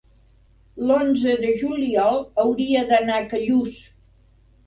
l'onze de juliol hauria d'anar a Callús.